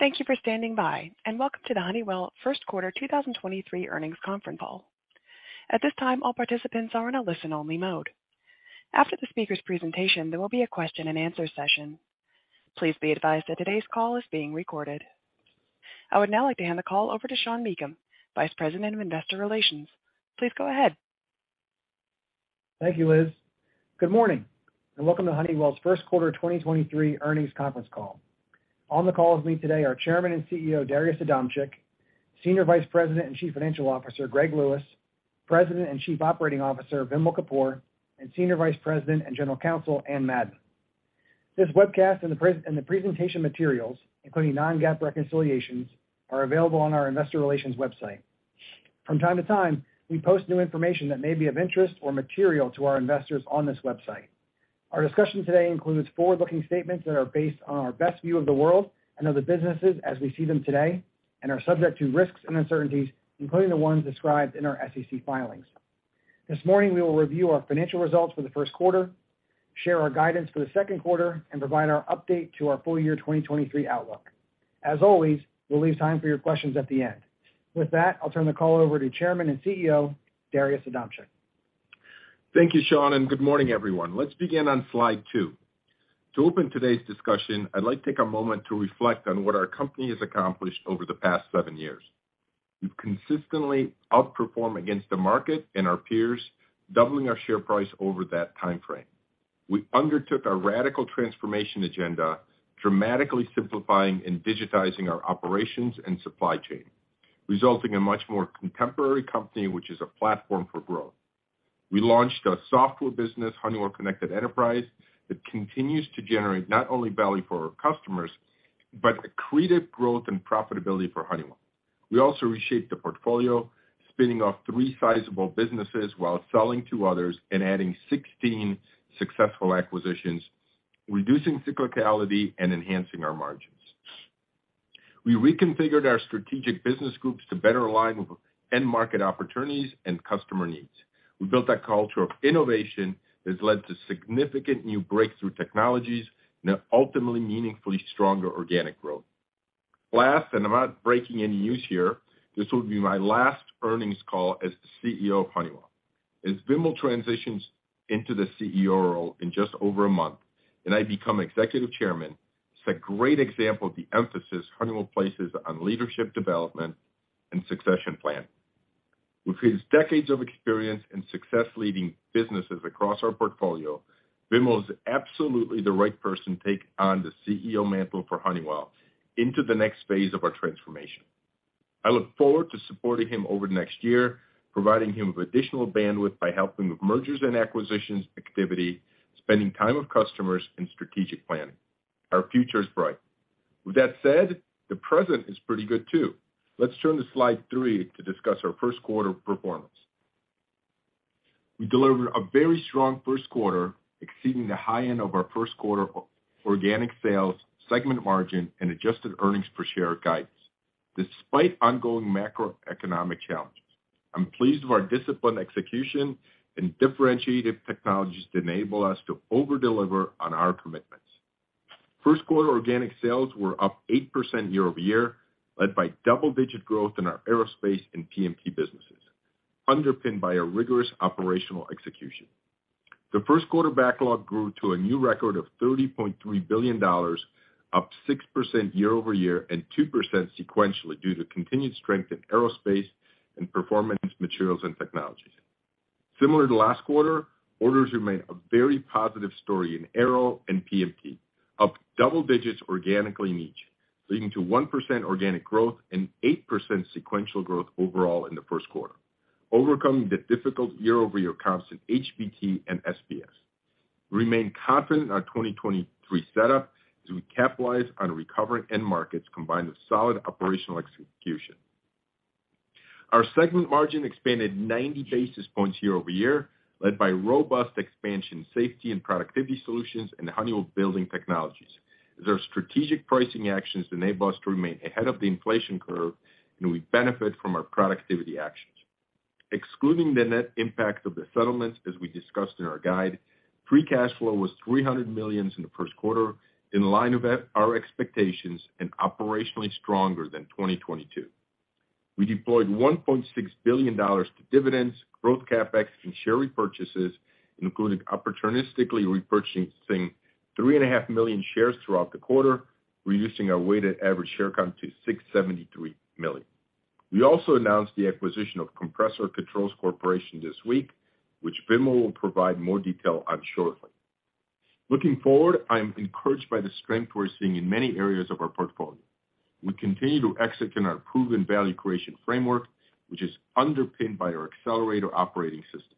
Thank you for standing by. Welcome to the Honeywell First Quarter 2023 Earnings Conference Call. At this time, all participants are in a listen-only mode. After the speaker's presentation, there will be a question-and-answer session. Please be advised that today's call is being recorded. I would now like to hand the call over to Sean Meakim, Vice President of Investor Relations. Please go ahead. Thank you, Liz. Good morning, welcome to Honeywell's first quarter 2023 earnings conference call. On the call with me today are Chairman and CEO, Darius Adamczyk, Senior Vice President and Chief Financial Officer, Greg Lewis, President and Chief Operating Officer, Vimal Kapur, and Senior Vice President and General Counsel, Anne Madden. This webcast and the presentation materials, including non-GAAP reconciliations, are available on our investor relations website. From time to time, we post new information that may be of interest or material to our investors on this website. Our discussion today includes forward-looking statements that are based on our best view of the world and of the businesses as we see them today and are subject to risks and uncertainties, including the ones described in our SEC filings. This morning, we will review our financial results for the first quarter, share our guidance for the second quarter, and provide our update to our full year 2023 outlook. As always, we'll leave time for your questions at the end. With that, I'll turn the call over to Chairman and CEO, Darius Adamczyk. Thank you, Sean. Good morning, everyone. Let's begin on slide two. To open today's discussion, I'd like to take a moment to reflect on what our company has accomplished over the past seven years. We've consistently outperformed against the market and our peers, doubling our share price over that timeframe. We undertook a radical transformation agenda, dramatically simplifying and digitizing our operations and supply chain, resulting in much more contemporary company, which is a platform for growth. We launched a software business, Honeywell Connected Enterprise, that continues to generate not only value for our customers, but accretive growth and profitability for Honeywell. We also reshaped the portfolio, spinning off three sizable businesses while selling to others and adding 16 successful acquisitions, reducing cyclicality and enhancing our margins. We reconfigured our strategic business groups to better align with end market opportunities and customer needs. We built a culture of innovation that has led to significant new breakthrough technologies and ultimately meaningfully stronger organic growth. Last, and I'm not breaking any news here, this will be my last earnings call as the CEO of Honeywell. As Vimal transitions into the CEO role in just over a month, and I become Executive Chairman, it's a great example of the emphasis Honeywell places on leadership development and succession planning. With his decades of experience and success leading businesses across our portfolio, Vimal is absolutely the right person to take on the CEO mantle for Honeywell into the next phase of our transformation. I look forward to supporting him over the next year, providing him with additional bandwidth by helping with mergers and acquisitions activity, spending time with customers, and strategic planning. Our future is bright. With that said, the present is pretty good too. Let's turn to slide three to discuss our first quarter performance. We delivered a very strong first quarter, exceeding the high end of our first quarter organic sales, segment margin, and adjusted EPS guidance, despite ongoing macroeconomic challenges. I'm pleased with our disciplined execution and differentiated technologies that enable us to over-deliver on our commitments. First quarter organic sales were up 8% year-over-year, led by double-digit growth in our Aerospace and PMT businesses, underpinned by a rigorous operational execution. The first quarter backlog grew to a new record of $30.3 billion, up 6% year-over-year and 2% sequentially due to continued strength in Aerospace and Performance Materials and Technologies. Similar to last quarter, orders remained a very positive story in aero and PMT, up double digits organically in each, leading to 1% organic growth and 8% sequential growth overall in the first quarter, overcoming the difficult year-over-year comps HBT and SPS. We remain confident in our 2023 setup as we capitalize on recovering end markets combined with solid operational execution. Our segment margin expanded 90 basis points year-over-year, led by robust expansion Safety and Productivity Solutions in the Honeywell Building Technologies. Their strategic pricing actions enable us to remain ahead of the inflation curve, and we benefit from our productivity actions. Excluding the net impact of the settlements, as we discussed in our guide, free cash flow was $300 million in the first quarter, in line with our expectations and operationally stronger than 2022. We deployed $1.6 billion to dividends, growth CapEx, and share repurchases, including opportunistically repurchasing 3.5 million shares throughout the quarter, reducing our weighted average share count to 673 million. We also announced the acquisition of Compressor Controls Corporation this week, which Vimal will provide more detail on shortly. Looking forward, I am encouraged by the strength we're seeing in many areas of our portfolio. We continue to execute on our proven value creation framework, which is underpinned by our Accelerator operating system.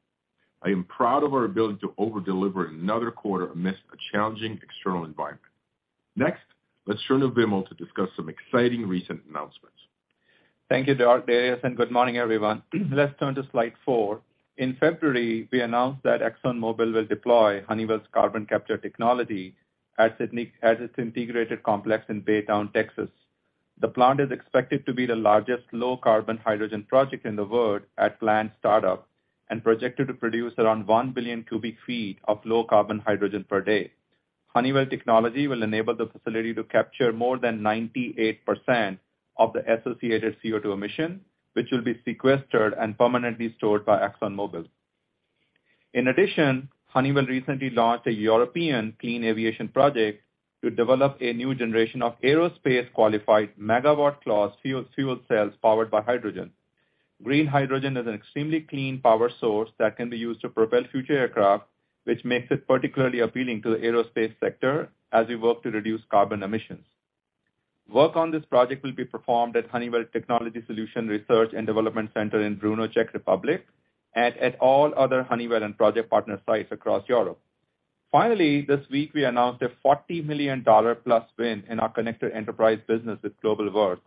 I am proud of our ability to over-deliver another quarter amidst a challenging external environment. Let's turn to Vimal to discuss some exciting recent announcements. Thank you, Darius, Good morning, everyone. Let's turn to slide four. In February, we announced that ExxonMobil will deploy Honeywell's carbon capture technology at its integrated complex in Baytown, Texas. The plant is expected to be the largest low-carbon hydrogen project in the world at plant startup. Projected to produce around 1 billion cubic feet of low carbon hydrogen per day. Honeywell technology will enable the facility to capture more than 98% of the associated CO2 emission, which will be sequestered and permanently stored by ExxonMobil. In addition, Honeywell recently launched a European clean aviation project to develop a new generation of aerospace qualified megawatt class fuel cells powered by hydrogen. Green hydrogen is an extremely clean power source that can be used to propel future aircraft, which makes it particularly appealing to the aerospace sector as we work to reduce carbon emissions. Work on this project will be performed at Honeywell Technology Solutions Research and Development Center in Brno, Czech Republic, and at all other Honeywell and project partner sites across Europe. This week we announced a $40 million+ win in our Connected Enterprise business with Globalworth,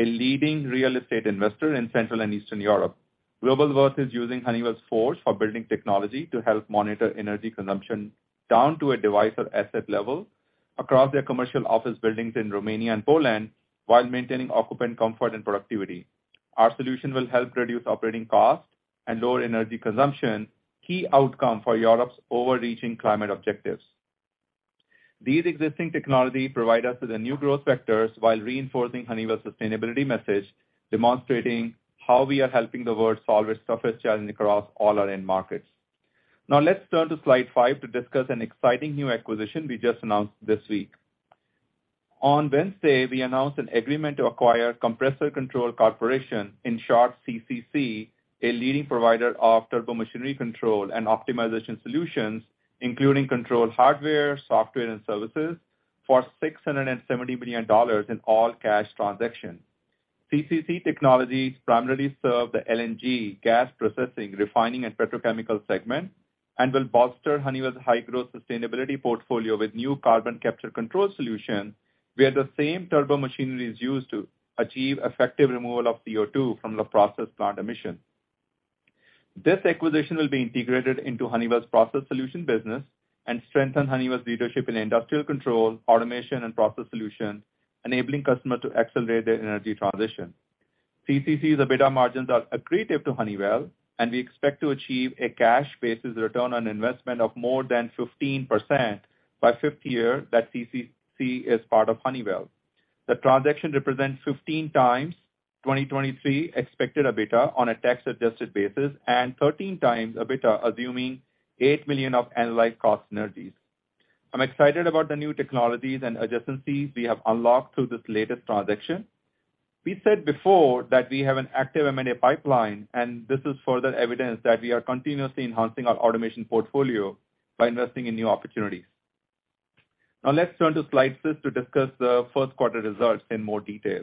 a leading real estate investor in Central and Eastern Europe. Globalworth is using Honeywell's Forge for Buildings technology to help monitor energy consumption down to a device or asset level across their commercial office buildings in Romania and Poland while maintaining occupant comfort and productivity. Our solution will help reduce operating costs and lower energy consumption, key outcome for Europe's overarching climate objectives. These existing technology provide us with the new growth vectors while reinforcing Honeywell's sustainability message, demonstrating how we are helping the world solve its toughest challenge across all our end markets. Let's turn to slide five to discuss an exciting new acquisition we just announced this week. On Wednesday, we announced an agreement to acquire Compressor Controls Corporation, in short CCC, a leading provider of turbomachinery control and optimization solutions, including control hardware, software and services, for $670 million in all-cash transaction. CCC technologies primarily serve the LNG, gas processing, refining, and petrochemical segment, and will bolster Honeywell's high-growth sustainability portfolio with new carbon capture control solution, where the same turbomachinery is used to achieve effective removal of CO2 from the process plant emission. This acquisition will be integrated into Honeywell's Process Solutions business and strengthen Honeywell's leadership in industrial control, automation, and Process Solutions, enabling customers to accelerate their energy transition. CCC's EBITDA margins are accretive to Honeywell, and we expect to achieve a cash-basis return on investment of more than 15% by fifth year that CCC is part of Honeywell. The transaction represents 15 times 2023 expected EBITDA on a tax-adjusted basis, and 13 times EBITDA assuming $8 million of analyzed cost synergies. I'm excited about the new technologies and adjacencies we have unlocked through this latest transaction. We said before that we have an active M&A pipeline, this is further evidence that we are continuously enhancing our automation portfolio by investing in new opportunities. Let's turn to slide six to discuss the first quarter results in more detail.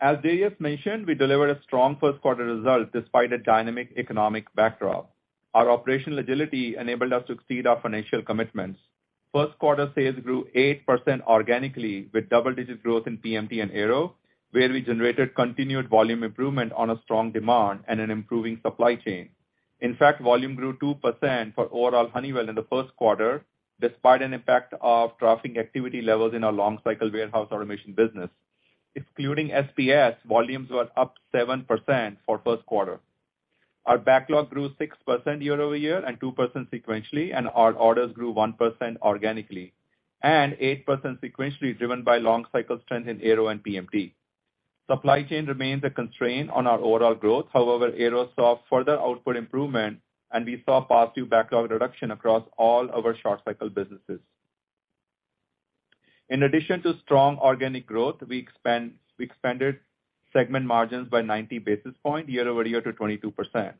As Darius mentioned, we delivered a strong first quarter result despite a dynamic economic backdrop. Our operational agility enabled us to exceed our financial commitments. First quarter sales grew 8% organically with double-digit growth in PMT and Aero, where we generated continued volume improvement on a strong demand and an improving supply chain. In fact, volume grew 2% for overall Honeywell in the first quarter, despite an impact of dropping activity levels in our long cycle warehouse automation business. Excluding SPS, volumes were up 7% for first quarter. Our backlog grew 6% year-over-year and 2% sequentially, and our orders grew 1% organically and 8% sequentially, driven by long cycle strength in Aero and PMT. Supply chain remains a constraint on our overall growth. However, Aero saw further output improvement, and we saw positive backlog reduction across all our short cycle businesses. In addition to strong organic growth, we expanded segment margins by 90 basis points year-over-year to 22%.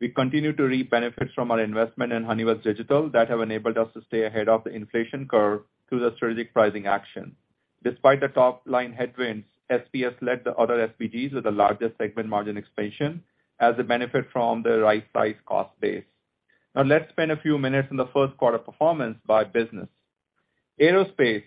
We continue to reap benefits from our investment in Honeywell's digital that have enabled us to stay ahead of the inflation curve through the strategic pricing action. Despite the top-line headwinds, SPS led the other SBGs with the largest segment margin expansion as a benefit from the right-sized cost base. Let's spend a few minutes on the first quarter performance by business. Aerospace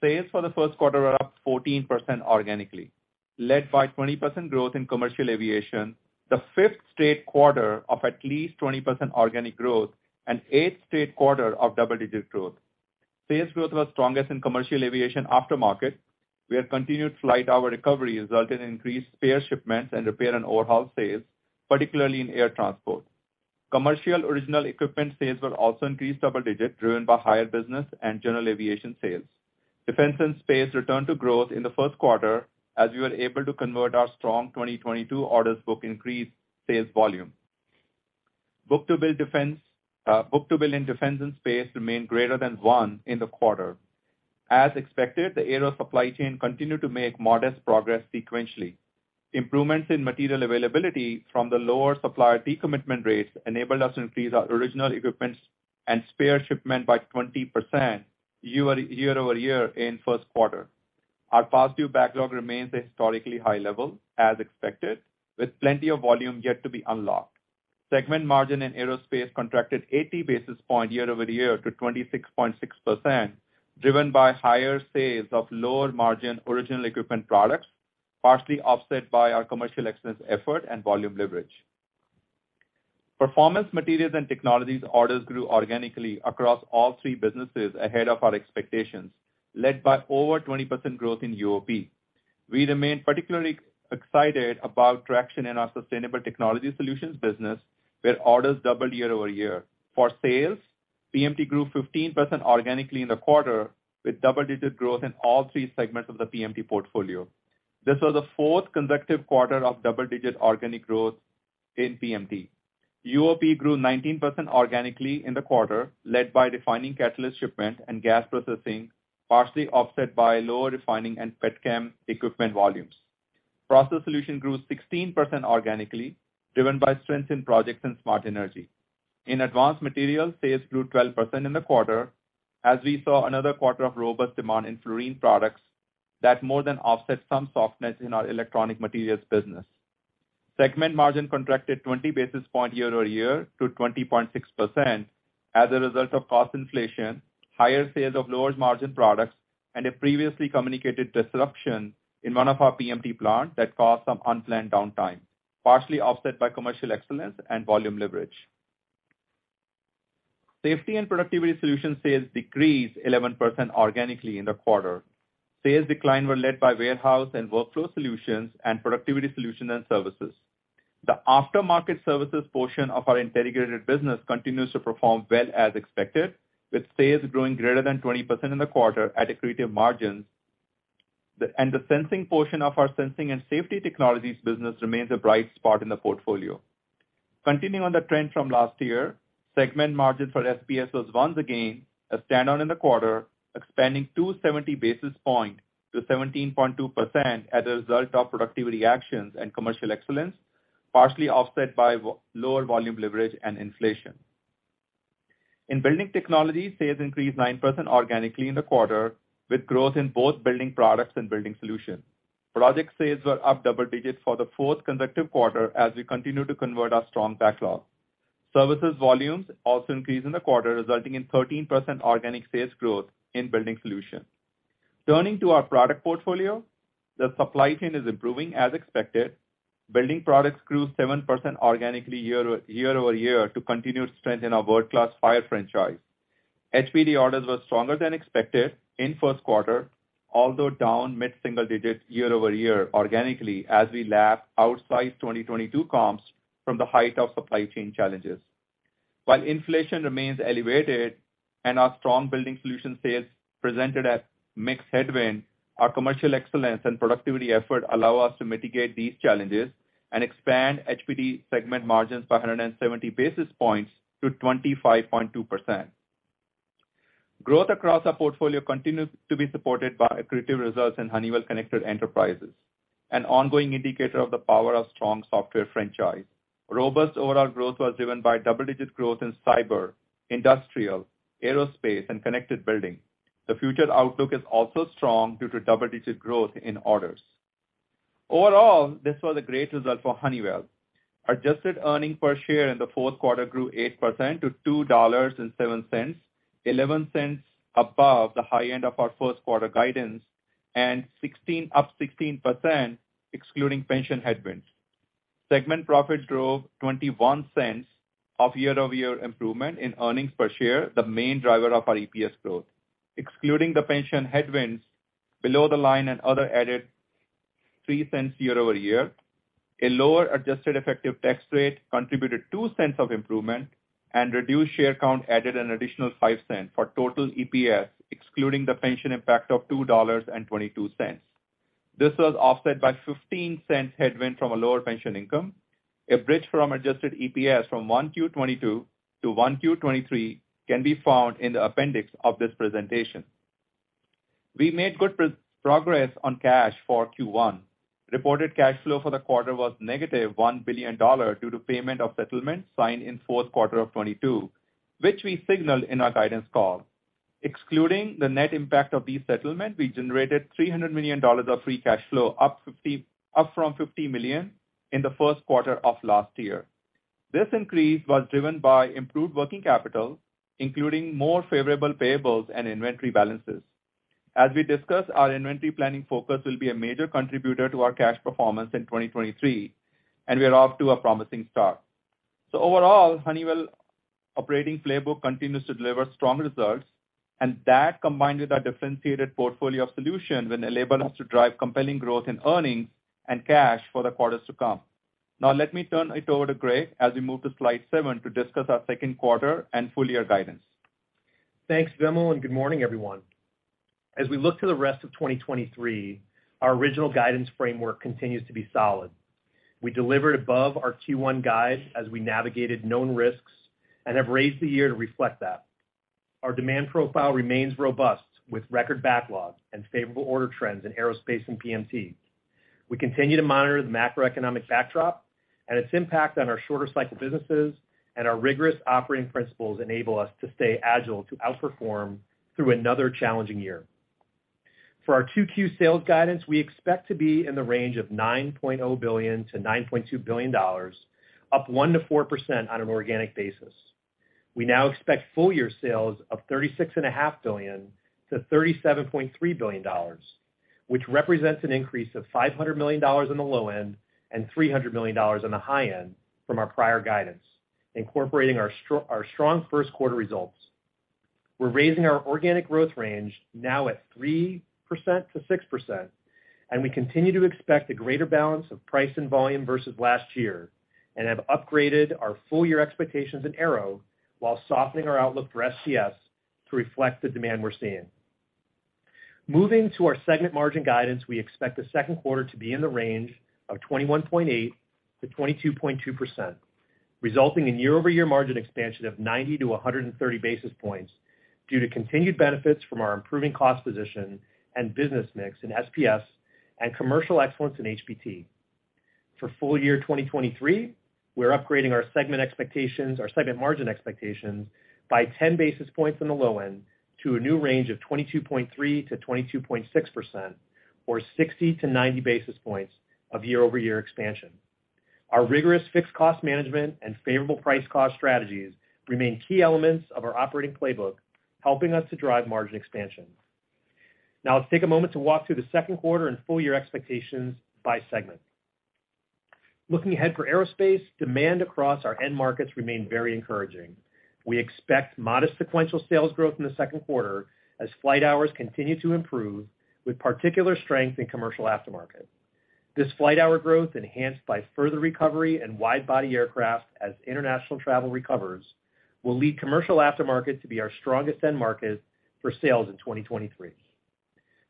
sales for the first quarter are up 14% organically, led by 20% growth in commercial aviation, the fifth straight quarter of at least 20% organic growth, and eighth straight quarter of double-digit growth. Sales growth was strongest in commercial aviation aftermarket, where continued flight hour recovery resulted in increased spare shipments and repair and overhaul sales, particularly in air transport. Commercial original equipment sales were also increased double digit, driven by higher business and general aviation sales. Defense and space returned to growth in the first quarter, as we were able to convert our strong 2022 orders book increased sales volume. Book-to-bill defense, book-to-bill in defense and space remained greater than one in the quarter. As expected, the Aero supply chain continued to make modest progress sequentially. Improvements in material availability from the lower supplier decommitment rates enabled us to increase our original equipments and spare shipment by 20% year-over-year in first quarter. Our positive backlog remains historically high level as expected, with plenty of volume yet to be unlocked. Segment margin in Aerospace contracted 80 basis point year-over-year to 26.6%, driven by higher sales of lower-margin original equipment products, partially offset by our commercial excellence effort and volume leverage. Performance Materials and Technologies orders grew organically across all three businesses ahead of our expectations, led by over 20% growth in UOP. We remain particularly excited about traction in our Sustainable Technology Solutions business, where orders doubled year-over-year. For sales, PMT grew 15% organically in the quarter, with double-digit growth in all three segments of the PMT portfolio. This was the 4th consecutive quarter of double-digit organic growth in PMT. UOP grew 19% organically in the quarter, led by refining catalyst shipment and gas processing, partially offset by lower refining and pet chem equipment volumes. Process Solutions grew 16% organically, driven by strength in projects and smart energy. In Advanced Materials, sales grew 12% in the quarter as we saw another quarter of robust demand in fluorine products that more than offset some softness in our electronic materials business. Segment margin contracted 20 basis point year-over-year to 20.6% as a result of cost inflation, higher sales of lower margin products, and a previously communicated disruption in one of our PMT plant that caused some unplanned downtime, partially offset by commercial excellence and volume leverage. Safety and Productivity Solution sales decreased 11% organically in the quarter. Sales decline were led by warehouse and workflow solutions and productivity solutions and services. The aftermarket services portion of our integrated business continues to perform well as expected, with sales growing greater than 20% in the quarter at accretive margins. The sensing portion of our sensing and safety technologies business remains a bright spot in the portfolio. Continuing on the trend from last year, segment margin for SPS was once again a standout in the quarter, expanding 270 basis points to 17.2% as a result of productivity actions and commercial excellence, partially offset by lower volume leverage and inflation. In Building Technologies, sales increased 9% organically in the quarter, with growth in both Building Products and Building Solutions. Project sales were up double digits for the fourth consecutive quarter as we continue to convert our strong backlog. Services volumes also increased in the quarter, resulting in 13% organic sales growth in Building Solutions. Turning to our product portfolio, the supply chain is improving as expected. Building Products grew 7% organically year-over-year to continued strength in our world-class fire franchise. HBT orders were stronger than expected in 1st quarter, although down mid-single digits year-over-year organically as we lap outsized 2022 comps from the height of supply chain challenges. While inflation remains elevated and our strong building solution sales presented a mixed headwind, our commercial excellence and productivity effort allow us to mitigate these challenges and expand HBT segment margins by 170 basis points to 25.2%. Growth across our portfolio continues to be supported by accretive results in Honeywell Connected Enterprise, an ongoing indicator of the power of strong software franchise. Robust overall growth was driven by double-digit growth in cyber, industrial, aerospace, and connected building. The future outlook is also strong due to double-digit growth in orders. Overall, this was a great result for Honeywell. Adjusted earnings per share in the fourth quarter grew 8% to $2.07, $0.11 above the high end of our first quarter guidance, up 16% excluding pension headwinds. Segment profit drove $0.21 of year-over-year improvement in earnings per share, the main driver of our EPS growth. Excluding the pension headwinds, below the line and other added $0.03 year-over-year, a lower adjusted effective tax rate contributed $0.02 of improvement, and reduced share count added an additional $0.05 for total EPS, excluding the pension impact of $2.22. This was offset by $0.15 headwind from a lower pension income. A bridge from adjusted EPS from 1 Q-22 to 1 Q-23 can be found in the appendix of this presentation. We made good progress on cash for Q1. Reported cash flow for the quarter was -$1 billion due to payment of settlements signed in fourth quarter of 2022, which we signaled in our guidance call. Excluding the net impact of these settlement, we generated $300 million of free cash flow, up from $50 million in the first quarter of last year. This increase was driven by improved working capital, including more favorable payables and inventory balances. As we discussed, our inventory planning focus will be a major contributor to our cash performance in 2023, and we are off to a promising start. Overall, Honeywell operating playbook continues to deliver strong results, and that, combined with our differentiated portfolio of solutions, we're enabled us to drive compelling growth in earnings and cash for the quarters to come. Now let me turn it over to Greg as we move to slide seven to discuss our second quarter and full year guidance. Thanks, Vimal, and good morning, everyone. As we look to the rest of 2023, our original guidance framework continues to be solid. We delivered above our Q1 guide as we navigated known risks and have raised the year to reflect that. Our demand profile remains robust with record backlogs and favorable order trends in aerospace and PMT. We continue to monitor the macroeconomic backdrop and its impact on our shorter cycle businesses, and our rigorous operating principles enable us to stay agile to outperform through another challenging year. For our 2Q sales guidance, we expect to be in the range of $9.0 billion-$9.2 billion, up 1%-4% on an organic basis. We now expect full year sales of $36.5 billion-$37.3 billion, which represents an increase of $500 million on the low end and $300 million on the high end from our prior guidance, incorporating our strong first quarter results. We're raising our organic growth range now at 3%-6%. We continue to expect a greater balance of price and volume versus last year and have upgraded our full year expectations in Aero while softening our outlook for SPS to reflect the demand we're seeing. Moving to our segment margin guidance, we expect the second quarter to be in the range of 21.8%-22.2%, resulting in year-over-year margin expansion of 90-130 basis points due to continued benefits from our improving cost position and business mix in SPS and commercial excellence in HBT. For full year 2023, we're upgrading our segment margin expectations by 10 basis points on the low end to a new range of 22.3%-22.6% or 60-90 basis points of year-over-year expansion. Our rigorous fixed cost management and favorable price cost strategies remain key elements of our operating playbook, helping us to drive margin expansion. Let's take a moment to walk through the second quarter and full year expectations by segment. Looking ahead for aerospace, demand across our end markets remain very encouraging. We expect modest sequential sales growth in the second quarter as flight hours continue to improve, with particular strength in commercial aftermarket. This flight hour growth, enhanced by further recovery in wide body aircraft as international travel recovers, will lead commercial aftermarket to be our strongest end market for sales in 2023.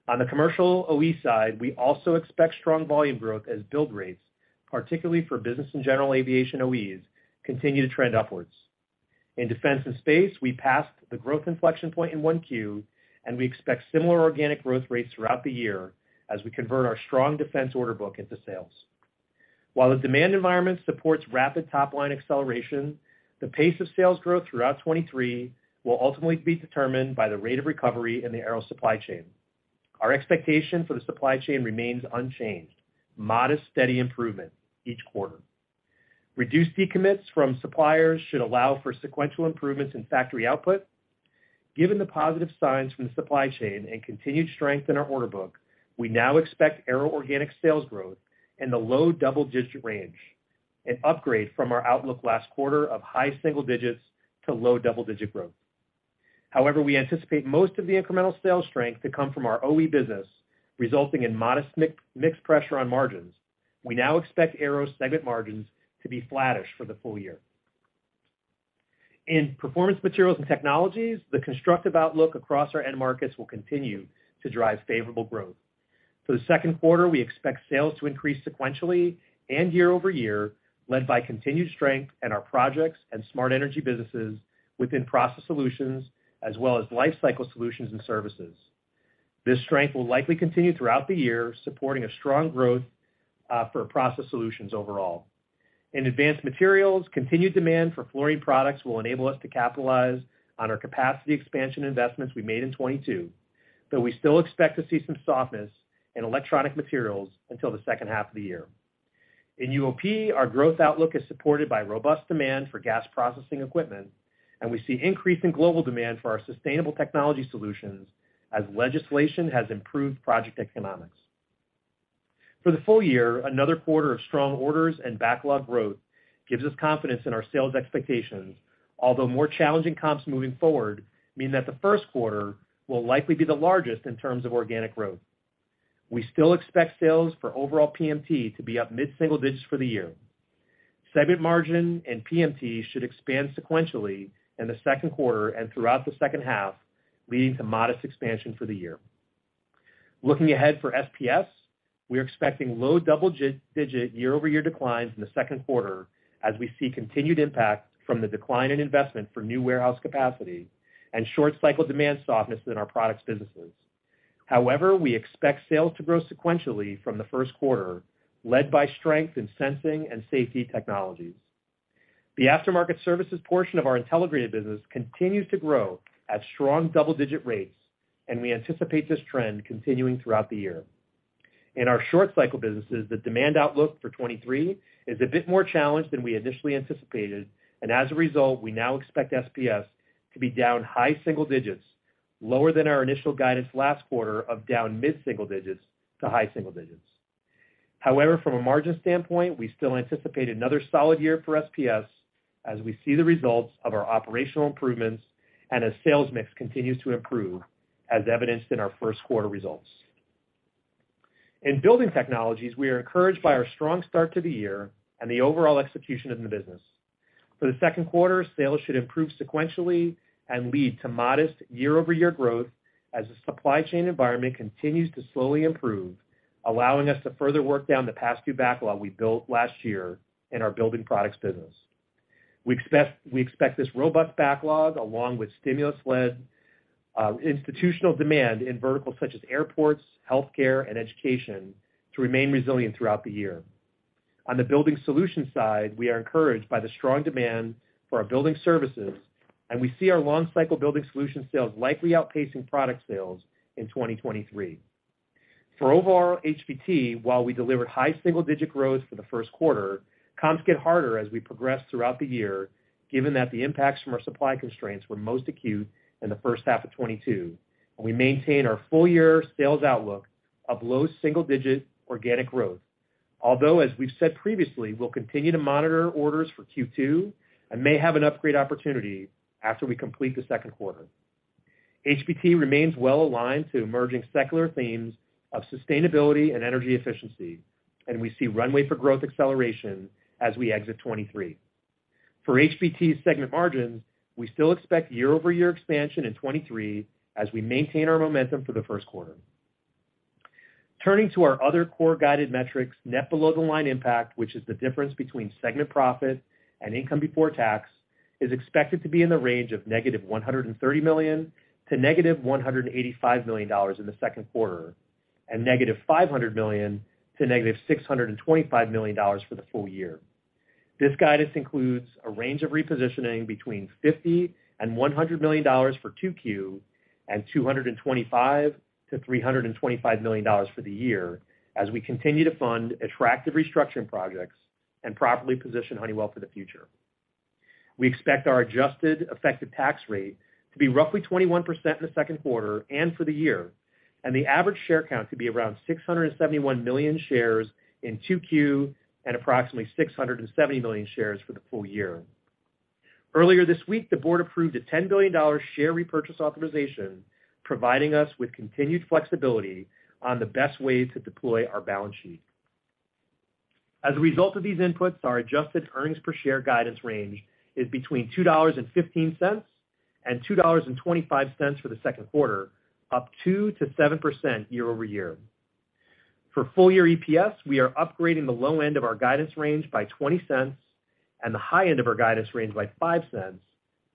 On the commercial OE side, we also expect strong volume growth as build rates, particularly for business and general aviation OEs, continue to trend upwards. In defense and space, we passed the growth inflection point in 1Q, and we expect similar organic growth rates throughout the year as we convert our strong defense order book into sales. While the demand environment supports rapid top line acceleration, the pace of sales growth throughout 2023 will ultimately be determined by the rate of recovery in the Aero supply chain. Our expectation for the supply chain remains unchanged, modest, steady improvement each quarter. Reduced decommits from suppliers should allow for sequential improvements in factory output. Given the positive signs from the supply chain and continued strength in our order book, we now expect Aero organic sales growth in the low double-digit range, an upgrade from our outlook last quarter of high single-digit to low double-digit growth. We anticipate most of the incremental sales strength to come from our OE business, resulting in modest mix pressure on margins. We now expect Aero segment margins to be flattish for the full year. In Performance Materials and Technologies, the constructive outlook across our end markets will continue to drive favorable growth. For the second quarter, we expect sales to increase sequentially and year-over-year, led by continued strength in our projects and smart energy businesses within Process Solutions, as well as lifecycle solutions and services. This strength will likely continue throughout the year, supporting a strong growth for Process Solutions overall. In Advanced Materials, continued demand for fluorine products will enable us to capitalize on our capacity expansion investments we made in 2022, but we still expect to see some softness in electronic materials until the second half of the year. In UOP, our growth outlook is supported by robust demand for gas processing equipment, and we see increase in global demand for our Sustainable Technology Solutions as legislation has improved project economics. For the full year, another quarter of strong orders and backlog growth gives us confidence in our sales expectations, although more challenging comps moving forward mean that the first quarter will likely be the largest in terms of organic growth. We still expect sales for overall PMT to be up mid-single digits for the year. Segment margin and PMT should expand sequentially in the second quarter and throughout the second half, leading to modest expansion for the year. Looking ahead for SPS, we're expecting low double-digit year-over-year declines in the second quarter as we see continued impact from the decline in investment for new warehouse capacity and short-cycle demand softness in our products businesses. However, we expect sales to grow sequentially from the first quarter, led by strength in sensing and safety technologies. The aftermarket services portion of our Intelligrated business continues to grow at strong double-digit rates, and we anticipate this trend continuing throughout the year. In our short cycle businesses, the demand outlook for 23 is a bit more challenged than we initially anticipated, and as a result, we now expect SPS to be down high single digits, lower than our initial guidance last quarter of down mid-single digits to high single digits. From a margin standpoint, we still anticipate another solid year for SPS as we see the results of our operational improvements and as sales mix continues to improve, as evidenced in our first quarter results. In Building Technologies, we are encouraged by our strong start to the year and the overall execution of the business. For the second quarter, sales should improve sequentially and lead to modest year-over-year growth as the supply chain environment continues to slowly improve, allowing us to further work down the past due backlog we built last year in our building products business. We expect this robust backlog, along with stimulus-led institutional demand in verticals such as airports, healthcare, and education to remain resilient throughout the year. On the building solutions side, we are encouraged by the strong demand for our building services, and we see our long cycle building solution sales likely outpacing product sales in 2023. For overall HBT, while we delivered high single-digit growth for the 1st quarter, comps get harder as we progress throughout the year, given that the impacts from our supply constraints were most acute in the 1st half of 2022. We maintain our full year sales outlook of low single-digit organic growth. As we've said previously, we'll continue to monitor orders for Q2 and may have an upgrade opportunity after we complete the 2nd quarter. HBT remains well aligned to emerging secular themes of sustainability and energy efficiency. We see runway for growth acceleration as we exit 2023. For HBT segment margins, we still expect year-over-year expansion in 2023 as we maintain our momentum for the 1st quarter. Turning to our other core guided metrics, net below the line impact, which is the difference between segment profit and income before tax, is expected to be in the range of -$130 million to -$185 million in the second quarter, and -$500 million to -$625 million for the full year. This guidance includes a range of repositioning between $50 million and $100 million for 2Q, and $225 million-$325 million for the year as we continue to fund attractive restructuring projects and properly position Honeywell for the future. We expect our adjusted effective tax rate to be roughly 21% in the second quarter and for the year, and the average share count to be around 671 million shares in 2Q and approximately 670 million shares for the full year. Earlier this week, the board approved a $10 billion share repurchase authorization, providing us with continued flexibility on the best way to deploy our balance sheet. As a result of these inputs, our adjusted earnings per share guidance range is between $2.15 and $2.25 for the second quarter, up 2%-7% year-over-year. For full year EPS, we are upgrading the low end of our guidance range by 20 cents and the high end of our guidance range by 5 cents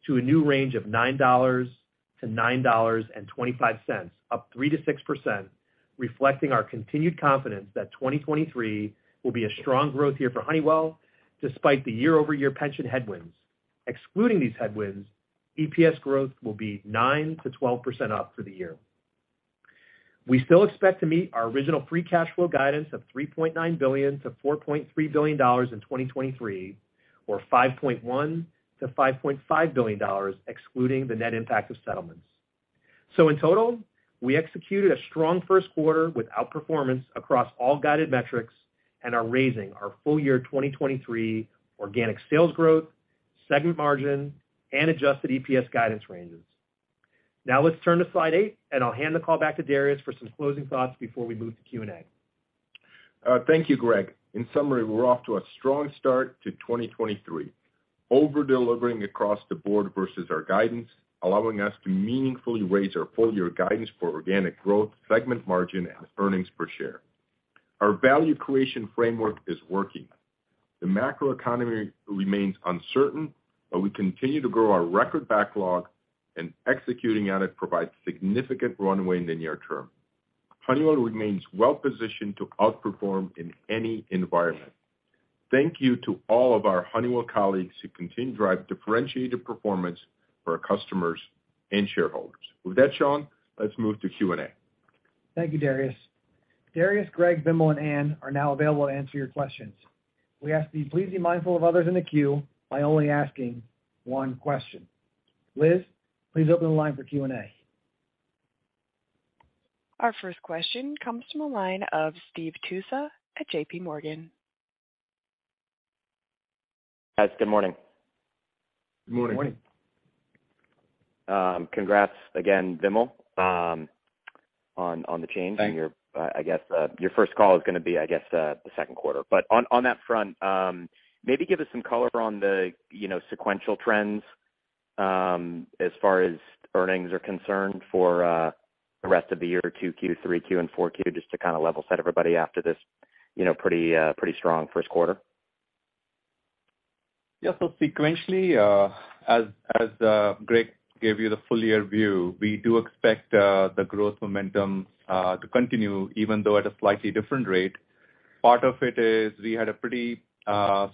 to a new range of $9-$9.25, up 3%-6%, reflecting our continued confidence that 2023 will be a strong growth year for Honeywell despite the year-over-year pension headwinds. Excluding these headwinds, EPS growth will be 9%-12% up for the year. We still expect to meet our original free cash flow guidance of $3.9 billion-$4.3 billion in 2023, or $5.1 billion-$5.5 billion, excluding the net impact of settlements. In total, we executed a strong first quarter with outperformance across all guided metrics and are raising our full year 2023 organic sales growth, segment margin, and adjusted EPS guidance ranges. Let's turn to slide eight, and I'll hand the call back to Darius for some closing thoughts before we move to Q&A. Thank you, Greg. In summary, we're off to a strong start to 2023. Over-delivering across the board versus our guidance, allowing us to meaningfully raise our full year guidance for organic growth, segment margin and earnings per share. Our value creation framework is working. The macroeconomy remains uncertain, we continue to grow our record backlog, and executing on it provides significant runway in the near term. Honeywell remains well positioned to outperform in any environment. Thank you to all of our Honeywell colleagues who continue to drive differentiated performance for our customers and shareholders. With that, Sean, let's move to Q&A. Thank you, Darius. Darius, Greg, Vimal, and Anne are now available to answer your questions. We ask that you please be mindful of others in the queue by only asking one question. Liz, please open the line for Q&A. Our first question comes from the line of Steve Tusa at JPMorgan. Guys, good morning. Good morning. Good morning. Congrats again, Vimal, on the change. Thank you. Your, I guess, your first call is gonna be, I guess, the second quarter. On that front, maybe give us some color on the, you know, sequential trends, as far as earnings are concerned for the rest of the year, 2Q, 3Q, and 4Q, just to kind of level set everybody after this, you know, pretty strong first quarter. Yeah. Sequentially, as Greg gave you the full year view, we do expect the growth momentum to continue, even though at a slightly different rate. Part of it is we had a pretty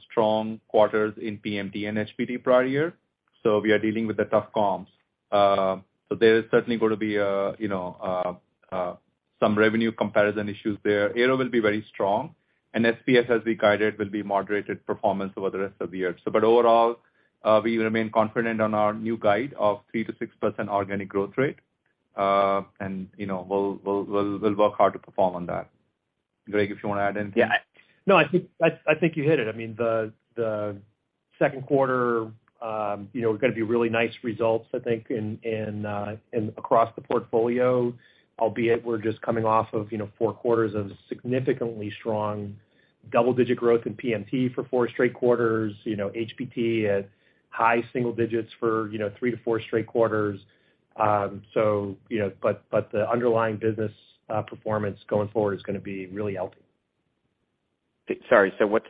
strong quarters in PMT and HBT prior year, so we are dealing with the tough comps. There is certainly gonna be, you know, some revenue comparison issues there. Aero will be very strong, and SPS, as we guided, will be moderated performance over the rest of the year. Overall, we remain confident on our new guide of 3% to 6% organic growth rate. You know, we'll work hard to perform on that. Greg, if you wanna add anything. No, I think you hit it. I mean, the second quarter, you know, gonna be really nice results, I think, in across the portfolio. We're just coming off of, you know, four quarters of significantly strong double-digit growth in PMT for four straight quarters. You know, HBT at high single digits for, you know, three to four straight quarters. You know, but the underlying business performance going forward is gonna be really healthy. Sorry. What's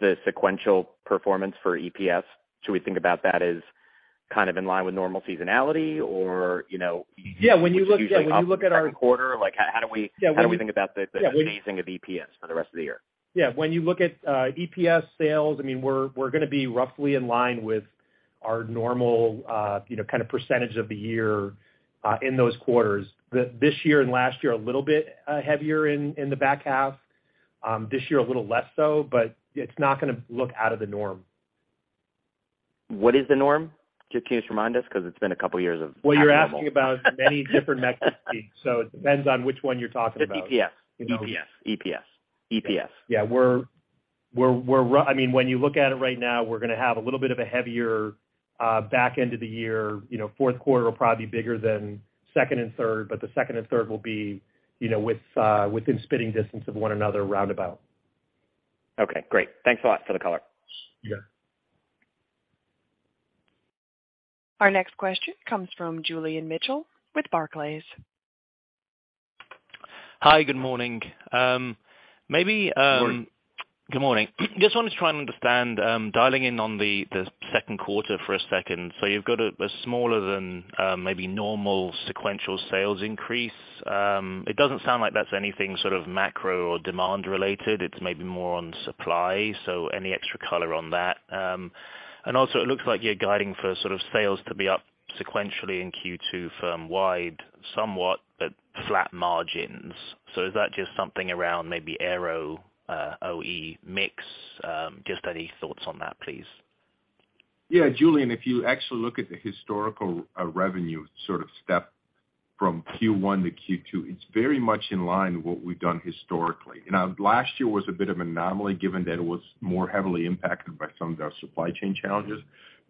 the sequential performance for EPS? Should we think about that as kind of in line with normal seasonality? You know. Yeah, when you look. It's usually up every quarter. Like, how do we- Yeah. How do we think about? Yeah. The seasoning of EPS for the rest of the year? Yeah. When you look at EPS sales, I mean, we're gonna be roughly in line with our normal, you know, kind of percentage of the year, in those quarters. This year and last year, a little bit heavier in the back half. This year, a little less so, but it's not gonna look out of the norm. What is the norm? Can you just remind us? 'Cause it's been a couple of years of not the norm. Well, you're asking about many different metrics, so it depends on which one you're talking about. EPS. Yeah. We're, I mean, when you look at it right now, we're gonna have a little bit of a heavier back end of the year. You know, fourth quarter will probably be bigger than second and third, but the second and third will be, you know, within spitting distance of one another roundabout. Okay, great. Thanks a lot for the color. Yeah. Our next question comes from Julian Mitchell with Barclays. Hi, good morning. Maybe, Good morning. Good morning. Just wanted to try and understand, dialing in on the second quarter for a second. You've got a smaller than maybe normal sequential sales increase. It doesn't sound like that's anything sort of macro or demand related. It's maybe more on supply. Any extra color on that? And also it looks like you're guiding for sort of sales to be up sequentially in Q2 firm-wide, somewhat, but flat margins. Is that just something around maybe aero, OE mix? Just any thoughts on that, please. Yeah, Julian, if you actually look at the historical, revenue sort of step from Q1 to Q2, it's very much in line with what we've done historically. You know, last year was a bit of anomaly given that it was more heavily impacted by some of our supply chain challenges.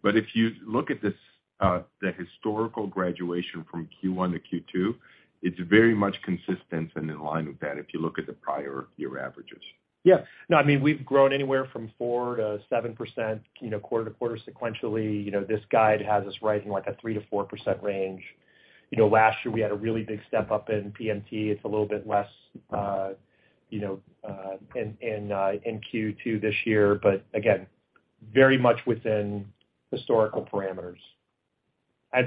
If you look at this, the historical graduation from Q1 to Q2, it's very much consistent and in line with that if you look at the prior year averages. No, I mean, we've grown anywhere from 4%-7%, you know, quarter to quarter sequentially. You know, this guide has us rising like a 3%-4% range. You know, last year we had a really big step up in PMT. It's a little bit less, you know, in Q2 this year. Again, very much within historical parameters.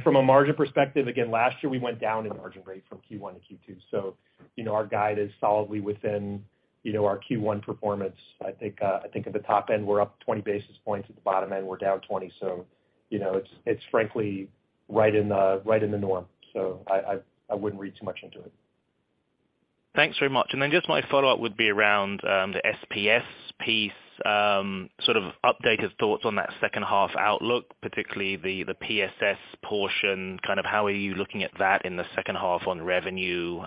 From a margin perspective, again, last year we went down in margin rate from Q1 to Q2. You know, our guide is solidly within, you know, our Q1 performance. I think at the top end, we're up 20 basis points. At the bottom end, we're down 20. You know, it's frankly right in the, right in the norm, so I wouldn't read too much into it. Thanks very much. Just my follow-up would be around the SPS piece, sort of update his thoughts on that second half outlook, particularly the PSS portion. How are you looking at that in the second half on revenue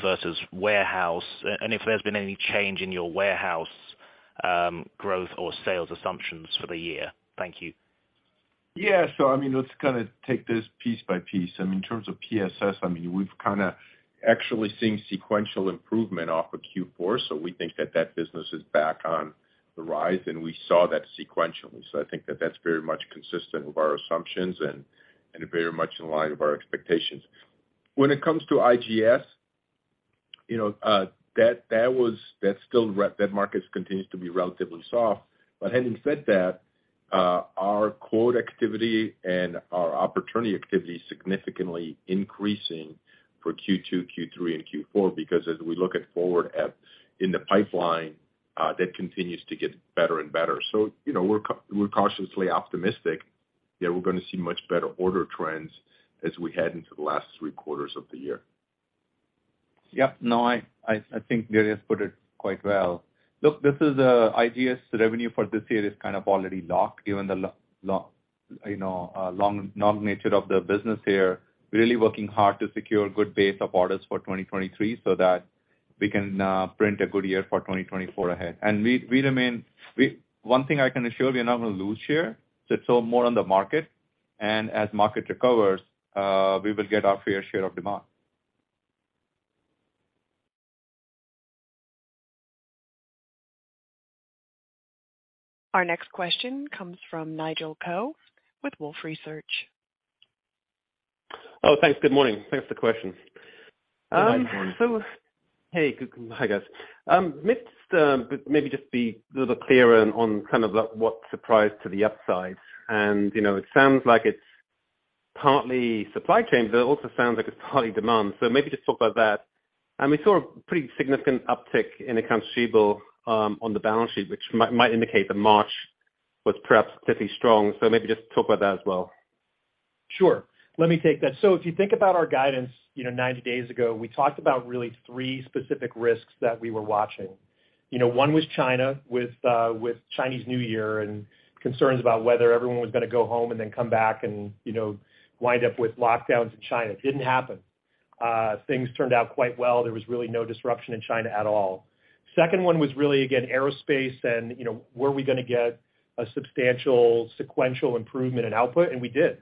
versus warehouse? If there's been any change in your warehouse growth or sales assumptions for the year. Thank you. Yeah. I mean, let's kinda take this piece by piece. I mean, in terms of PSS, I mean, we've kinda actually seeing sequential improvement off of Q4, so we think that that business is back on the rise, and we saw that sequentially. I think that that's very much consistent with our assumptions and very much in line with our expectations. When it comes to IGS, you know, that market continues to be relatively soft. Having said that, our quote activity and our opportunity activity is significantly increasing for Q2, Q3, and Q4, because as we look at forward in the pipeline, that continues to get better and better. You know, we're cautiously optimistic that we're gonna see much better order trends as we head into the last three quarters of the year. Yeah. No, I, I think Darius put it quite well. Look, this is IGS revenue for this year is kind of already locked given the, you know, long, long nature of the business here. Really working hard to secure a good base of orders for 2023 so that we can print a good year for 2024 ahead. We remain. One thing I can assure, we are not gonna lose share, so it's all more on the market. As market recovers, we will get our fair share of demand. Our next question comes from Nigel Coe with Wolfe Research. Oh, thanks. Good morning. Thanks for the question. Good morning. Hey, hi, guys. let's maybe just be a little clearer on kind of the, what surprised to the upside. you know, it sounds like it's partly supply chain, but it also sounds like it's partly demand. maybe just talk about that. we saw a pretty significant uptick in accounts receivable, on the balance sheet, which might indicate that March was perhaps particularly strong. maybe just talk about that as well. Sure. Let me take that. If you think about our guidance, you know, 90 days ago, we talked about really three specific risks that we were watching. You know, one was China with Chinese New Year and concerns about whether everyone was gonna go home and then come back and, you know, wind up with lockdowns in China. It didn't happen. Things turned out quite well. There was really no disruption in China at all. Second one was really, again, aerospace and, you know, were we gonna get a substantial sequential improvement in output? We did.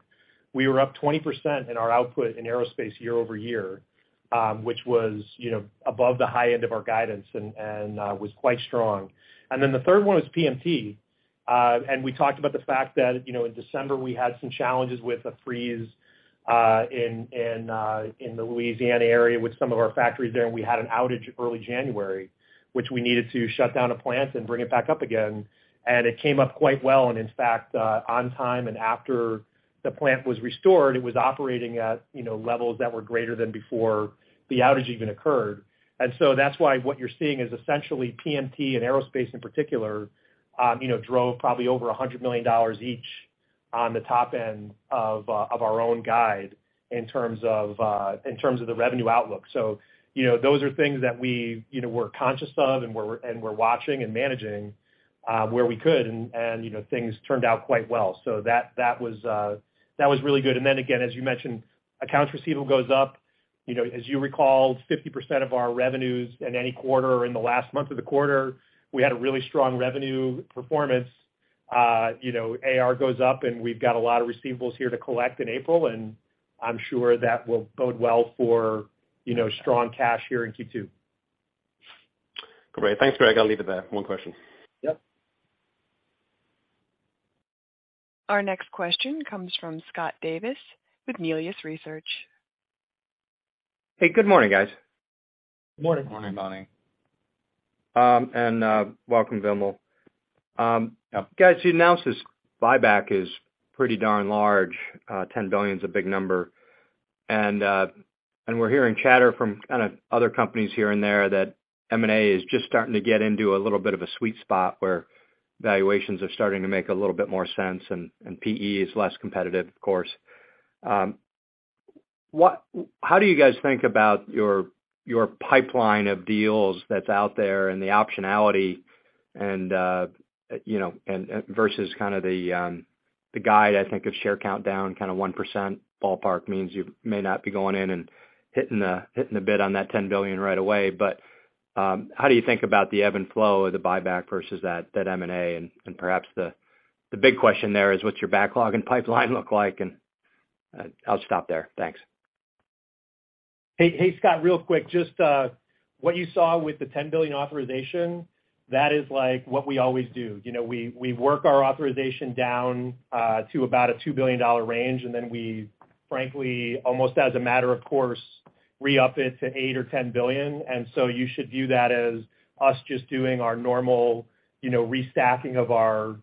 We were up 20% in our output in aerospace year-over-year, which was, you know, above the high end of our guidance and was quite strong. Then the third one was PMT. We talked about the fact that, you know, in December, we had some challenges with a freeze in the Louisiana area with some of our factories there. We had an outage early January, which we needed to shut down a plant and bring it back up again. It came up quite well, and in fact, on time and after the plant was restored, it was operating at, you know, levels that were greater than before the outage even occurred. That's why what you're seeing is essentially PMT and Aerospace in particular, you know, drove probably over $100 million each on the top end of our own guide in terms of the revenue outlook. you know, those are things that we, you know, we're conscious of and we're, and we're watching and managing, where we could and, you know, things turned out quite well. That, that was, that was really good. Again, as you mentioned, accounts receivable goes up. You know, as you recall, 50% of our revenues in any quarter or in the last month of the quarter, we had a really strong revenue performance. You know, AR goes up, and we've got a lot of receivables here to collect in April, and I'm sure that will bode well for, you know, strong cash here in Q2. Great. Thanks, Greg. I'll leave it there. One question. Yep. Our next question comes from Scott Davis with Melius Research. Hey, good morning, guys. Morning. Morning, Bonnie. Welcome, Vimal. Guys, you announced this buyback is pretty darn large. $10 billion is a big number, and we're hearing chatter from kind of other companies here and there that M&A is just starting to get into a little bit of a sweet spot where valuations are starting to make a little bit more sense, and PE is less competitive, of course. How do you guys think about your pipeline of deals that's out there and the optionality and you know, and versus kind of the guide, I think of share count down, kind of 1% ballpark means you may not be going in and hitting the bid on that $10 billion right away, but how do you think about the ebb and flow of the buyback versus that M&A? Perhaps the big question there is, what's your backlog and pipeline look like? I'll stop there. Thanks. Hey, hey, Scott Davis, real quick. Just what you saw with the $10 billion authorization, that is like what we always do. You know, we work our authorization down to about a $2 billion range, and then we frankly, almost as a matter of course, re-up it to $8 billion or $10 billion. You should view that as us just doing our normal, you know, restacking of our,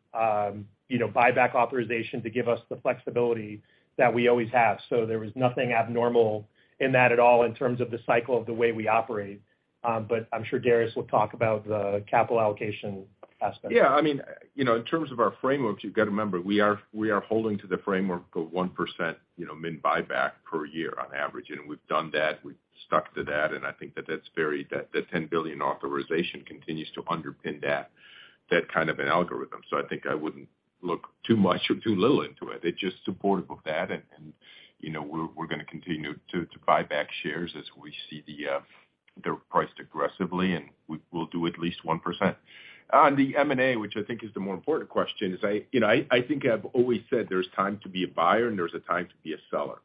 you know, buyback authorization to give us the flexibility that we always have. There was nothing abnormal in that at all in terms of the cycle of the way we operate. I'm sure Darius Adamczyk will talk about the capital allocation aspect. Yeah, I mean, you know, in terms of our frameworks, you've got to remember, we are holding to the framework of 1% you know, min buyback per year on average. We've done that. We've stuck to that. I think that that $10 billion authorization continues to underpin that kind of an algorithm. I think I wouldn't look too much or too little into it. It's just supportive of that. You know, we're gonna continue to buy back shares as we see they're priced aggressively, and we'll do at least 1%. On the M&A, which I think is the more important question is I, you know, I think I've always said there's time to be a buyer and there's a time to be a seller.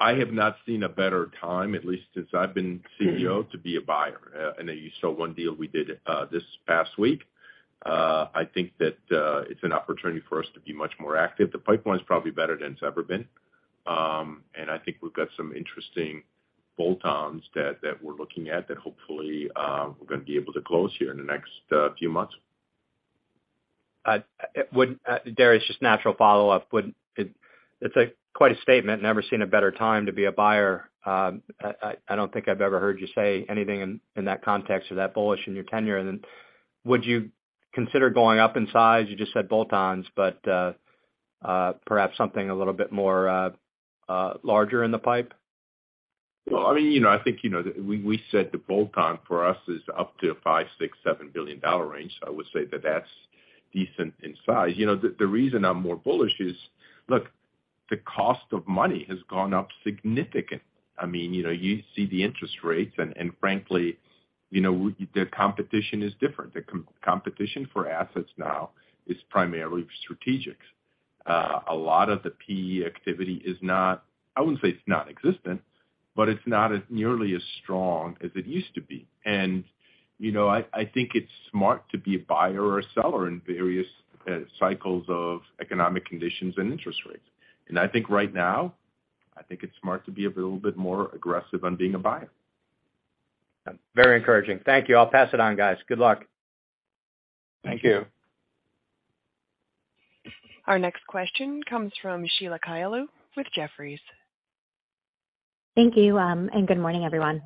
I have not seen a better time, at least since I've been CEO, to be a buyer. You saw one deal we did this past week. I think that it's an opportunity for us to be much more active. The pipeline is probably better than it's ever been. I think we've got some interesting bolt-ons that we're looking at that hopefully, we're gonna be able to close here in the next few months. Darius, just natural follow-up. It's a quite a statement, "Never seen a better time to be a buyer." I don't think I've ever heard you say anything in that context or that bullish in your tenure. Would you consider going up in size? You just said bolt-ons, but perhaps something a little bit more larger in the pipe? Well, I mean, you know, I think, you know, we said the bolt-on for us is up to a $5 billion, $6 billion, $7 billion range. I would say that's decent in size. You know, the reason I'm more bullish is, look, the cost of money has gone up significant. I mean, you know, you see the interest rates and frankly, you know, the competition is different. The competition for assets now is primarily strategics. A lot of the PE activity is not, I wouldn't say it's nonexistent, but it's not as nearly as strong as it used to be. You know, I think it's smart to be a buyer or a seller in various cycles of economic conditions and interest rates. I think right now, I think it's smart to be a little bit more aggressive on being a buyer. Very encouraging. Thank you. I'll pass it on, guys. Good luck. Thank you. Our next question comes from Sheila Kahyaoglu with Jefferies. Thank you, and good morning, everyone.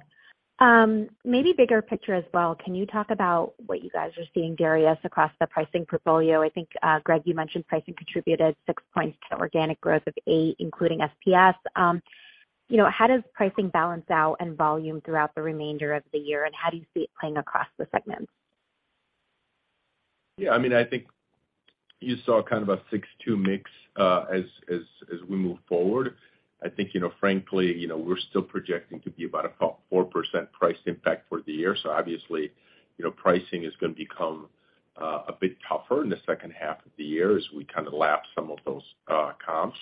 Maybe bigger picture as well. Can you talk about what you guys are seeing, Darius, across the pricing portfolio? I think, Greg, you mentioned pricing contributed six points to organic growth of eight, including SPS. You know, how does pricing balance out and volume throughout the remainder of the year, and how do you see it playing across the segments? I mean, I think you saw kind of a 6-2 mix as we move forward. I think, you know, frankly, you know, we're still projecting to be about a 4% price impact for the year. obviously, you know, pricing is gonna become a bit tougher in the second half of the year as we kind of lap some of those comps.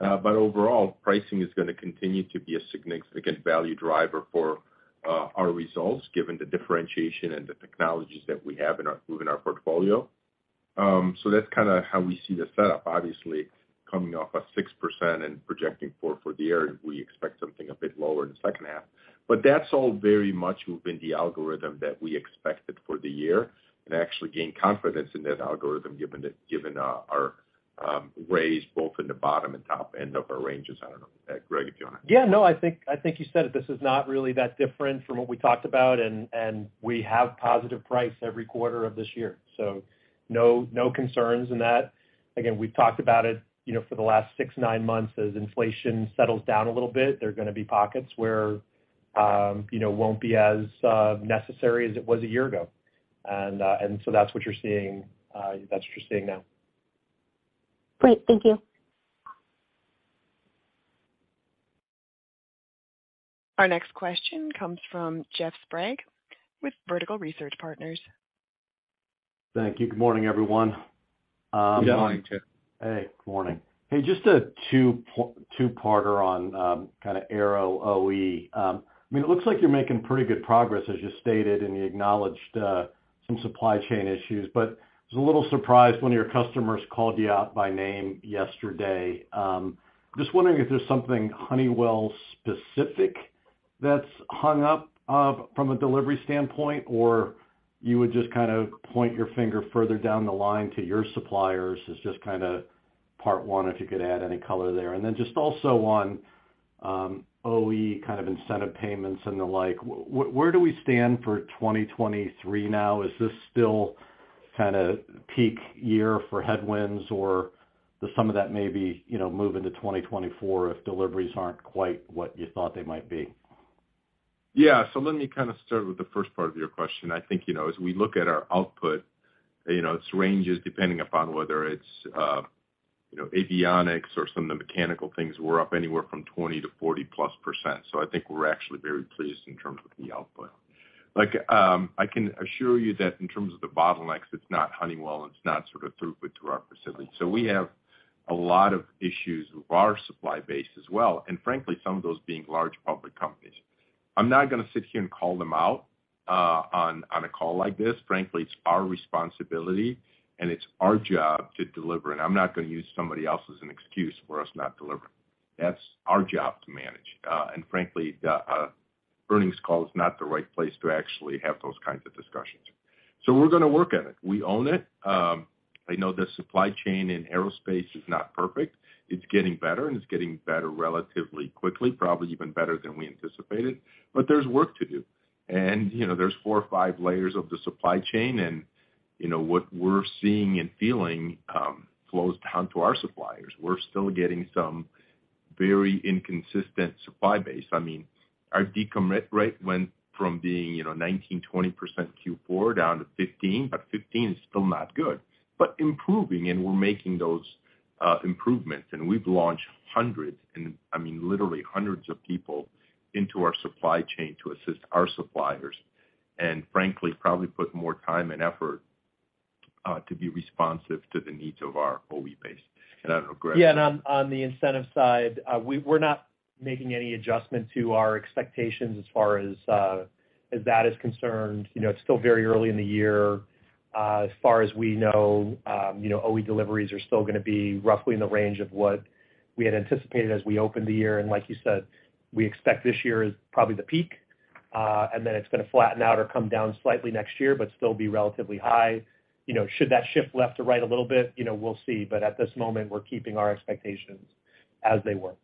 overall, pricing is gonna continue to be a significant value driver for our results, given the differentiation and the technologies that we have within our portfolio. that's kinda how we see the setup, obviously, coming off a 6% and projecting forward for the year, we expect something a bit lower in the second half. That's all very much within the algorithm that we expected for the year and actually gained confidence in that algorithm given our raise both in the bottom and top end of our ranges. I don't know, Greg, if you. Yeah, no, I think you said it. This is not really that different from what we talked about, and we have positive price every quarter of this year. No concerns in that. Again, we've talked about it, you know, for the last six, nine months as inflation settles down a little bit, there are gonna be pockets where, you know, won't be as necessary as it was a year ago. That's what you're seeing now. Great. Thank you. Our next question comes from Jeff Sprague with Vertical Research Partners. Thank you. Good morning, everyone. Good morning, Jeff. Good morning. Just a two-parter on kind of Aero OE. I mean, it looks like you're making pretty good progress, as you stated, and you acknowledged some supply chain issues, but I was a little surprised one of your customers called you out by name yesterday. Just wondering if there's something Honeywell specific that's hung up from a delivery standpoint, or you would just kind of point your finger further down the line to your suppliers is just kind of part one, if you could add any color there. Just also on OE kind of incentive payments and the like, where do we stand for 2023 now? Is this still kind of peak year for headwinds or does some of that maybe, you know, move into 2024 if deliveries aren't quite what you thought they might be? Yeah. Let me kind of start with the first part of your question. I think, you know, as we look at our output, you know, it's ranges depending upon whether it's, you know, avionics or some of the mechanical things, we're up anywhere from 20%-40%+. I think we're actually very pleased in terms of the output. Like, I can assure you that in terms of the bottlenecks, it's not Honeywell, and it's not sort of throughput to our facilities. We have a lot of issues with our supply base as well, and frankly, some of those being large public companies. I'm not gonna sit here and call them out on a call like this. Frankly, it's our responsibility and it's our job to deliver, and I'm not gonna use somebody else as an excuse for us not delivering. That's our job to manage. Frankly, the earnings call is not the right place to actually have those kinds of discussions. We're gonna work at it. We own it. I know the supply chain in aerospace is not perfect. It's getting better, and it's getting better relatively quickly, probably even better than we anticipated. There's work to do. You know, there's four or five layers of the supply chain, and, you know, what we're seeing and feeling flows down to our suppliers. We're still getting some very inconsistent supply base. I mean, our decommit rate went from being, you know, 19%, 20% Q4 down to 15, but 15 is still not good, but improving and we're making those improvements. We've launched hundreds, and I mean literally hundreds of people into our supply chain to assist our suppliers, and frankly, probably put more time and effort, to be responsive to the needs of our OE base. I don't know, Greg. Yeah. On the incentive side, we're not making any adjustment to our expectations as far as that is concerned. You know, it's still very early in the year. As far as we know, you know, OE deliveries are still gonna be roughly in the range of what we had anticipated as we opened the year. Like you said, we expect this year is probably the peak, and then it's gonna flatten out or come down slightly next year, but still be relatively high. You know, should that shift left to right a little bit, you know, we'll see. At this moment, we're keeping our expectations as they were.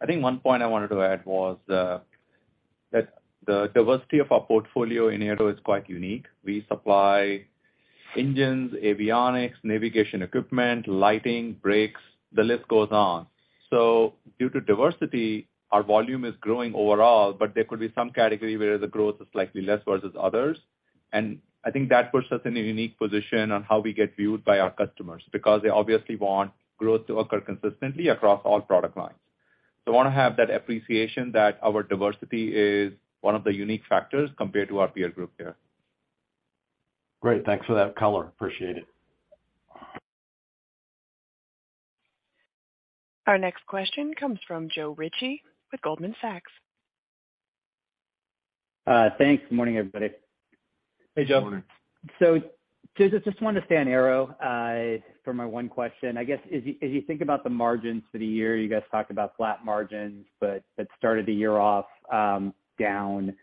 I think one point I wanted to add was that the diversity of our portfolio in Aero is quite unique. We supply engines, avionics, navigation equipment, lighting, brakes, the list goes on. Due to diversity, our volume is growing overall, but there could be some category where the growth is slightly less versus others. I think that puts us in a unique position on how we get viewed by our customers because they obviously want growth to occur consistently across all product lines. Wanna have that appreciation that our diversity is one of the unique factors compared to our peer group here. Great. Thanks for that color. Appreciate it. Our next question comes from Joe Ritchie with Goldman Sachs. thanks. Good morning, everybody. Hey, Joe. Morning. Just wanted to stay on Aero for my one question. I guess as you think about the margins for the year, you guys talked about flat margins, but that started the year off down.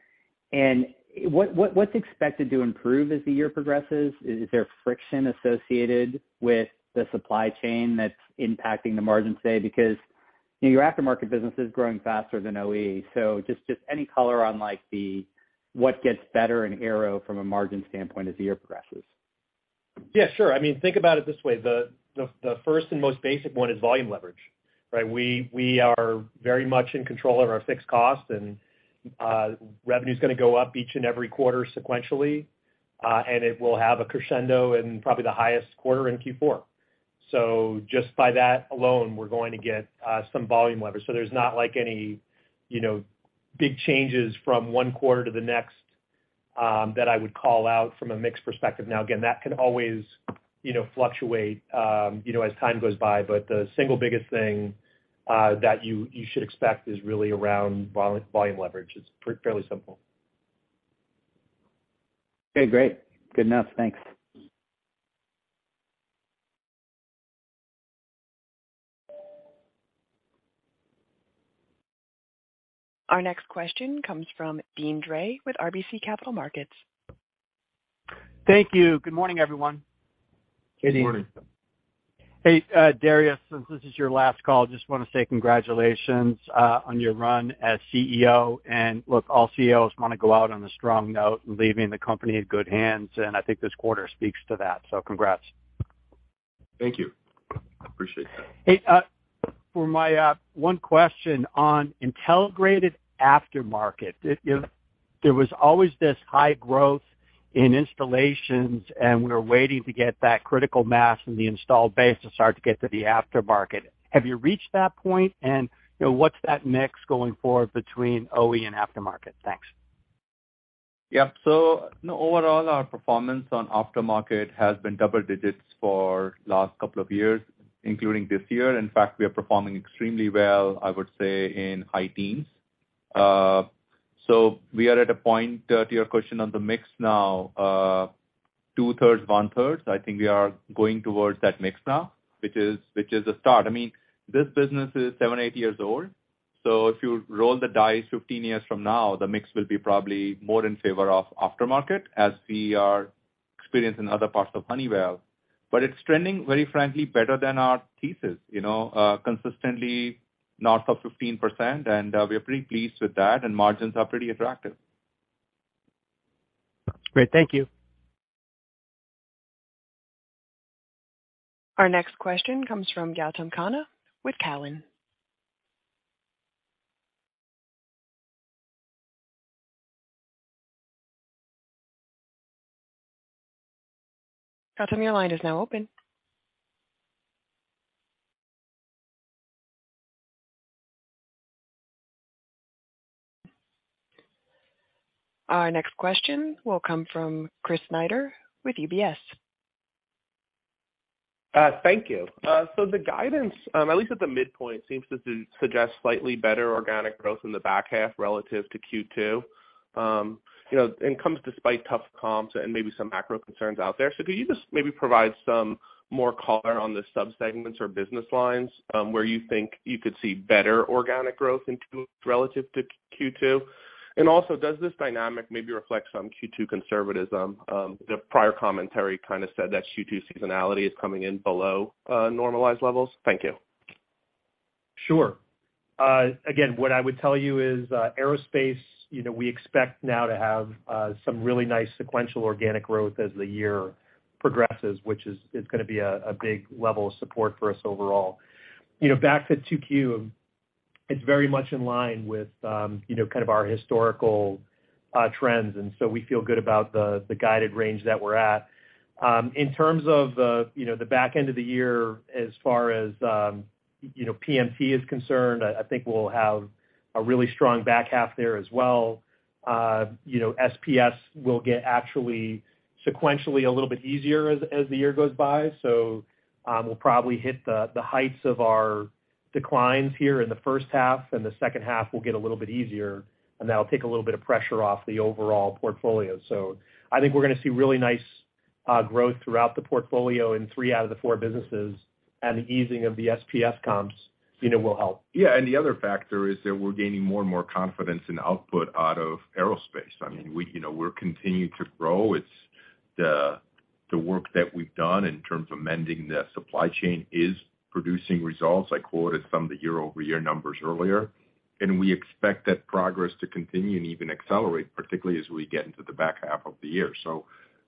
What's expected to improve as the year progresses? Is there friction associated with the supply chain that's impacting the margins today? Because, you know, your aftermarket business is growing faster than OE. Just any color on like the what gets better in Aero from a margin standpoint as the year progresses. Yeah, sure. I mean, think about it this way, the first and most basic one is volume leverage, right? We are very much in control of our fixed costs and revenue's gonna go up each and every quarter sequentially, and it will have a crescendo in probably the highest quarter in Q4. Just by that alone, we're going to get some volume leverage. There's not like any, you know, big changes from one quarter to the next, that I would call out from a mix perspective. Again, that can always, you know, fluctuate, you know, as time goes by, but the single biggest thing, that you should expect is really around volume leverage. It's fairly simple. Okay, great. Good enough. Thanks. Our next question comes from Deane Dray with RBC Capital Markets. Thank you. Good morning, everyone. Good morning. Hey, Darius, since this is your last call, just wanna say congratulations, on your run as CEO. Look, all CEOs wanna go out on a strong note, leaving the company in good hands, and I think this quarter speaks to that. Congrats. Thank you. Appreciate that. For my one question on Intelligrated aftermarket, you know, there was always this high growth in installations and we were waiting to get that critical mass in the installed base to start to get to the aftermarket. Have you reached that point? You know, what's that mix going forward between OE and aftermarket? Thanks. Yep. Overall, our performance on aftermarket has been double digits for last couple of years, including this year. In fact, we are performing extremely well, I would say, in high teens. We are at a point, to your question on the mix now, two-thirds, one-third. I think we are going towards that mix now, which is a start. I mean, this business is seven, eight years old, so if you roll the dice 15 years from now, the mix will be probably more in favor of aftermarket as we are experienced in other parts of Honeywell. It's trending very frankly better than our thesis, you know, consistently north of 15% and we are pretty pleased with that and margins are pretty attractive. Great. Thank you. Our next question comes from Gautam Khanna with Cowen. Gautam, your line is now open. Our next question will come from Chris Snyder with UBS. Thank you. The guidance, at least at the midpoint, seems to suggest slightly better organic growth in the back half relative to Q2, you know, and comes despite tough comps and maybe some macro concerns out there. Could you just maybe provide some more color on the subsegments or business lines where you think you could see better organic growth in relative to Q2? Also, does this dynamic maybe reflect some Q2 conservatism, the prior commentary kind of said that Q2 seasonality is coming in below normalized levels? Thank you. Sure. again, what I would tell you is, aerospace, you know, we expect now to have, some really nice sequential organic growth as the year progresses, which is gonna be a big level of support for us overall. You know, back to 2Q, it's very much in line with, you know, kind of our historical trends. We feel good about the guided range that we're at. In terms of, you know, the back end of the year as far as, you know, PMT is concerned, I think we'll have a really strong back half there as well. You know, SPS will get actually sequentially a little bit easier as the year goes by. We'll probably hit the heights of our declines here in the first half, and the second half will get a little bit easier, and that'll take a little bit of pressure off the overall portfolio. I think we're gonna see really nice growth throughout the portfolio in three out of the four businesses and the easing of the SPS comps, you know, will help. Yeah. The other factor is that we're gaining more and more confidence in output out of Aerospace. I mean, you know, we're continuing to grow. It's the work that we've done in terms of mending the supply chain is producing results. I quoted some of the year-over-year numbers earlier. We expect that progress to continue and even accelerate, particularly as we get into the back half of the year.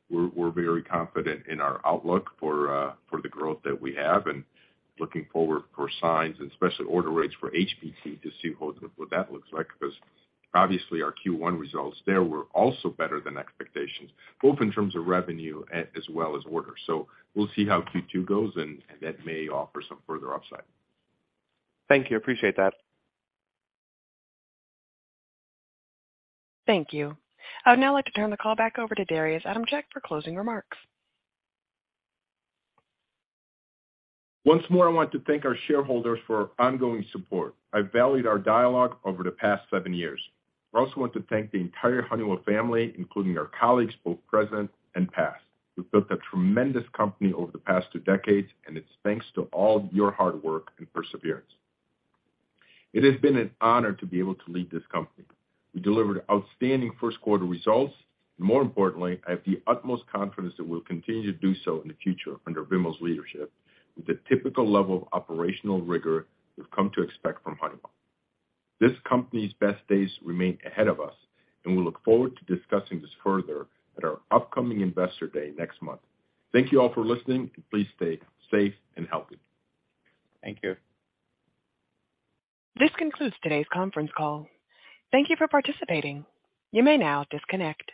We're very confident in our outlook for the growth that we have and looking forward for signs and especially order rates for HPC to see what that looks like. Obviously, our Q1 results there were also better than expectations, both in terms of revenue as well as orders. We'll see how Q2 goes, and that may offer some further upside. Thank you. I appreciate that. Thank you. I would now like to turn the call back over to Darius Adamczyk for closing remarks. Once more, I want to thank our shareholders for ongoing support. I valued our dialogue over the past seven years. I also want to thank the entire Honeywell family, including our colleagues, both present and past. We've built a tremendous company over the past two decades, and it's thanks to all your hard work and perseverance. It has been an honor to be able to lead this company. We delivered outstanding first quarter results, and more importantly, I have the utmost confidence that we'll continue to do so in the future under Vimal's leadership with the typical level of operational rigor we've come to expect from Honeywell. This company's best days remain ahead of us, and we look forward to discussing this further at our upcoming Investor Day next month. Thank you all for listening, and please stay safe and healthy. Thank you. This concludes today's conference call. Thank you for participating. You may now disconnect.